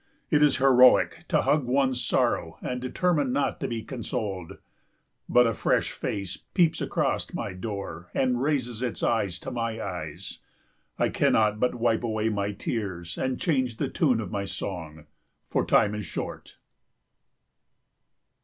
It is heroic to hug one's sorrow and determine not to be consoled. But a fresh face peeps across my door and raises its eyes to my eyes. I cannot but wipe away my tears and change the tune of my song. For time is short.